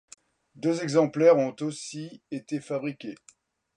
Deux exemplaires ont aussi été fabriqués.